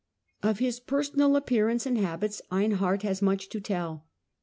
Of his personal appearance and habits Einhard has much to tell.